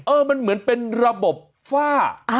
เออมันเหมือนเป็นระบบฝ้า